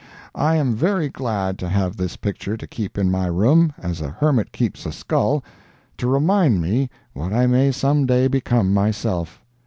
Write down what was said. I am very glad to have this picture to keep in my room, as a hermit keeps a skull, to remind me what I may some day become myself.